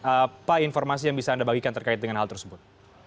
apa informasi yang bisa anda bagikan terkait dengan hal tersebut